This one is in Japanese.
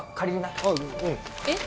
えっ。